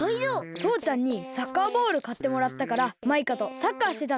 とうちゃんにサッカーボールかってもらったからマイカとサッカーしてたんだ。